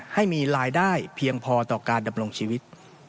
ให้มีรายได้เพียงพอต่อการดำรงชีวิต